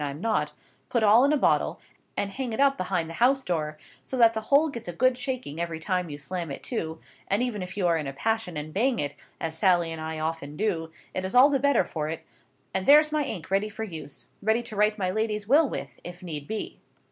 I'm not), put all in a bottle, and hang it up behind the house door, so that the whole gets a good shaking every time you slam it to—and even if you are in a passion and bang it, as Sally and I often do, it is all the better for it—and there's my ink ready for use; ready to write my lady's will with, if need be."